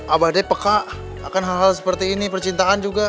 abah d peka akan hal hal seperti ini percintaan juga